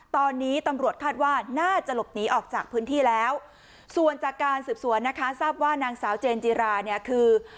ตอนนี้ตำรวจคาดว่าน่าจะหลบหนีออกจากพื้นที่แล้วส่วนจากการสืบสวนนะคะทราบว่านางสาวเจนจิราเนี่ยคือ